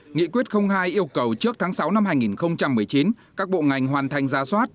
nghị quyết hai yêu cầu trước tháng sáu năm hai nghìn một mươi chín các bộ ngành hoàn thành ra soát